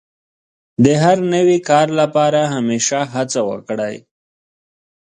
د هر نوي کار لپاره همېشه هڅه وکړئ.